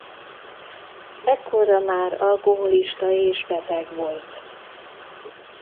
Ekkorra már alkoholista és beteg volt.